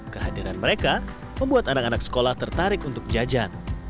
kehadiran mereka membuat anak anak sekolah tertarik untuk jajan